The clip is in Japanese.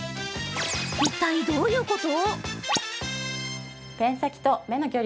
一体、どういうこと？